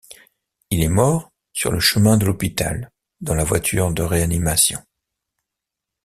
Il est mort sur le chemin de l'hôpital dans la voiture de réanimation.